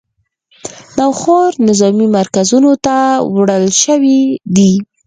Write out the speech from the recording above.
نوښار نظامي مرکزونو ته وړل شوي دي